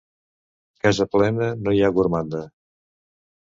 Casa plena, no hi ha gormanda.